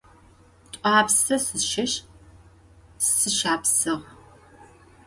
T'uapse sışış, sışşapsığ.